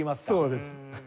そうです。